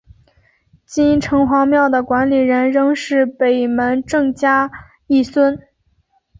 今天城隍庙的管理人仍是北门郑家裔孙。